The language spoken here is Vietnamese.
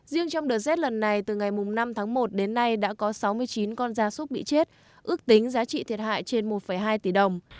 riêng trong đợt rét lần này từ ngày năm tháng một đến nay đã có sáu mươi chín con da súc bị chết ước tính giá trị thiệt hại trên một hai tỷ đồng